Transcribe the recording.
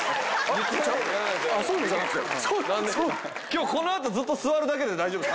今日この後ずっと座るだけで大丈夫。